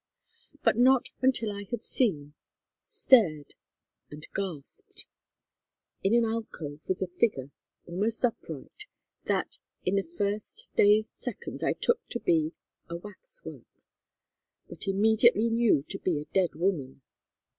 But not until I had seen, stared, and gasped. In an alcove was a figure, almost upright, that, in the first dazed seconds I took to be a wax work, but immediately knew to be a dead woman.